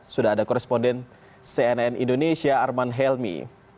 sudah ada koresponden cnn indonesia arman helmi